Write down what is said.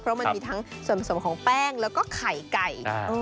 เพราะมันมีทั้งส่วนผสมของแป้งแล้วก็ไข่ไก่